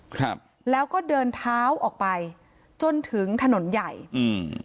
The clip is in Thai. ครับแล้วก็เดินเท้าออกไปจนถึงถนนใหญ่อืม